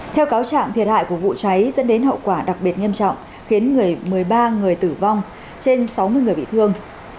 theo cáo trạng thiệt hại của vụ cháy dẫn đến hậu quả đặc biệt nghiêm trọng khiến người một mươi ba người tử vong trên sáu mươi người bị thương